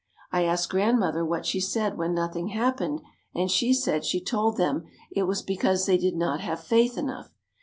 I asked Grandmother what she said when nothing happened and she said she told them it was because they did not have faith enough.